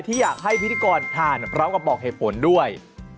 อยากให้พิธีกรทานพร้อมกับบอกเหตุผลด้วย